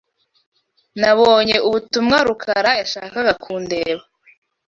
Nabonye ubutumwa Rukara yashakaga kundeba.